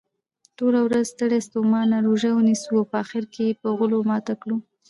ټوله ورځ ستړي ستوماته روژه ونیسو په اخرکې یې په غولو ماته کړو.